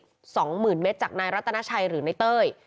หลบถึง๖๐๐๐๐เมตรจากนายรัตนาชัยหรือนายเต้ย